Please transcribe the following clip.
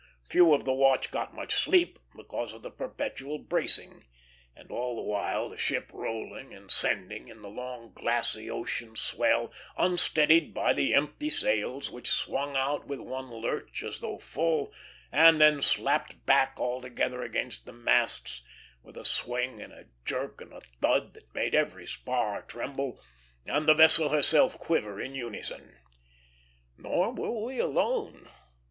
Few of the watch got much sleep, because of the perpetual bracing; and all the while the ship rolling and sending, in the long, glassy ocean swell, unsteadied by the empty sails, which swung out with one lurch as though full, and then slapped back all together against the masts, with a swing and a jerk and a thud that made every spar tremble, and the vessel herself quiver in unison. Nor were we alone.